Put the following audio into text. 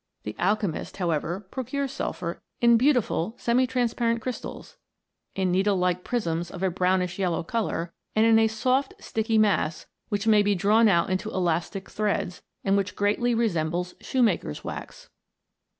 The alchemist, however, procures sulphur in beautiful semi transpai ent crys tals; in needle like prisms of a brownish yellow colour ; and in a soft and sticky mass, which may be drawn out into elastic threads, and which greatly resembles shoemaker's wax.